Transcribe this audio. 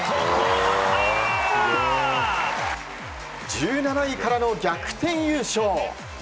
１７位からの逆転優勝。